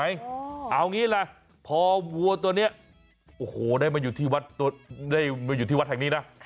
เอางี้แหละพอวัวตัวนี้โอ้โหได้มาอยู่ที่วัดแห่งนี้นะ